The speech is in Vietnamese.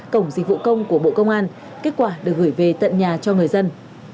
cổng dịch vụ công của bộ công an kết quả được gửi về tận nhà cho người dân